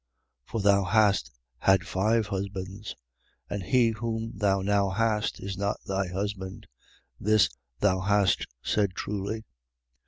4:18. For thou hast had five husbands: and he whom thou now hast is not thy husband. This, thou hast said truly.